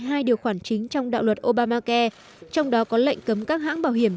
hai điều khoản chính trong đạo luật obamacai trong đó có lệnh cấm các hãng bảo hiểm